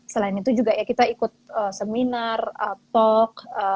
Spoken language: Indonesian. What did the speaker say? selain itu juga ya kita ikut seminar talk